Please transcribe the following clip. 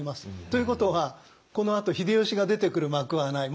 ということはこのあと秀吉が出てくる幕はない。